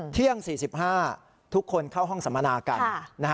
เที่ยง๔๕ทุกคนเข้าห้องสัมมนากัน